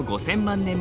５，０００万年